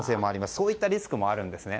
そういったリスクもあるんです。